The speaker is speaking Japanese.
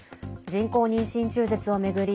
人工妊娠中絶を巡り